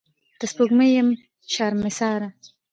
د سپوږمۍ یم شرمساره